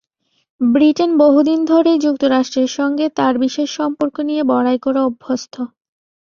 Britain বহুদিন ধরেই যুক্তরাষ্ট্রের সঙ্গে তার বিশেষ সম্পর্ক নিয়ে বড়াই করে অভ্যস্ত।